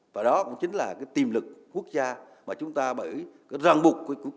và đó cũng chính là cái tiềm lực quốc gia mà chúng ta bởi ràng bục của cơ chế chúng ta chưa làm được